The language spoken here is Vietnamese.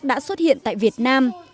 đã xuất hiện tại việt nam